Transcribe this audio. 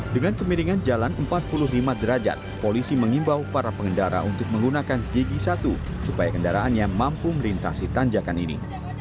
dengan kemiringan jalan empat puluh lima derajat polisi mengimbau para pengendara untuk menggunakan gigi satu supaya kendaraannya mampu melintasi tanjakan ini